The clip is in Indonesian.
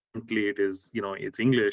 jika anda menggunakan bahasa inggris